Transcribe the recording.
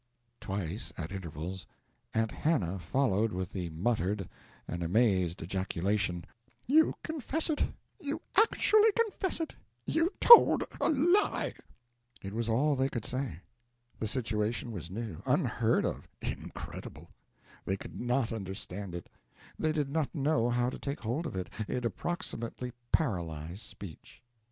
Twice, at intervals, Aunt Hannah followed with the muttered and amazed ejaculation: "You confess it you actually confess it you told a lie!" It was all they could say. The situation was new, unheard of, incredible; they could not understand it, they did not know how to take hold of it, it approximately paralyzed speech.